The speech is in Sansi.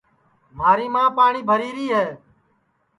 مھاری ماں پاٹؔی بھری ری ہے